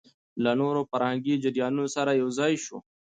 له نورو فرهنګي جريانونو سره يوځاى شو